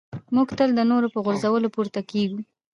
موږ تل د نورو په غورځولو پورته کېږو.